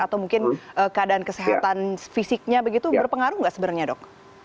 atau mungkin keadaan kesehatan fisiknya begitu berpengaruh nggak sebenarnya dok